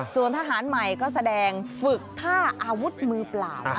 ส่วนทหารใหม่ก็แสดงฝึกท่าอาวุธมือเปล่า